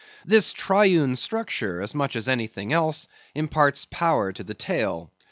This triune structure, as much as anything else, imparts power to the tail.